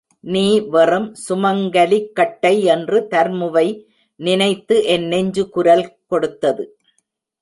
நீ வெறும் சுமங்கலிக்கட்டை என்று தர்முவை நினைத்து என் நெஞ்சு குரல் கொடுத்தது.